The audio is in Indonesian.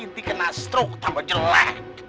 nanti kena stroke tambah jelek